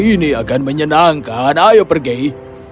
ini akan menyenangkan ayo pergi